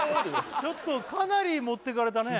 ちょっとかなりもっていかれたね